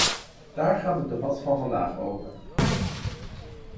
Daar gaat het debat van vandaag over.